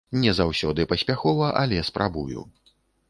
Не заўсёды паспяхова, але спрабую.